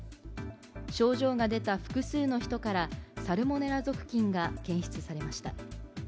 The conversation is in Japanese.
症状が出た複数の人からサルモネラ属菌が検出されました。